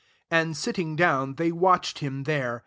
36 And, sitting down, they watched him ^ere.